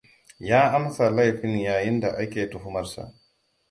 Ya amsa laifin yayin da ake tuhumarsa.